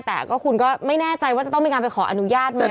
แต่ก็คุณก็ไม่แน่ใจว่าจะต้องมีการไปขออนุญาตไหม